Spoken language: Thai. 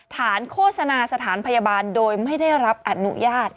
โฆษณาสถานพยาบาลโดยไม่ได้รับอนุญาต